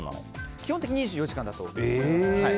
基本的に２４時間だと思います。